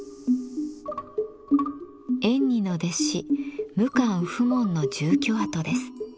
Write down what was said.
円爾の弟子無関普門の住居跡です。